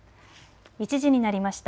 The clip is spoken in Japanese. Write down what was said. １時になりました。